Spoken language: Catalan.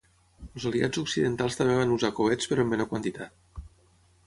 Els aliats occidentals també van usar coets però en menor quantitat.